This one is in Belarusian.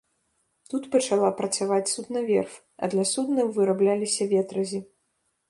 Тут пачала працаваць суднаверф, а для суднаў вырабляліся ветразі.